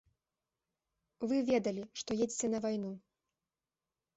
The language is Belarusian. Вы ведалі, што едзеце на вайну.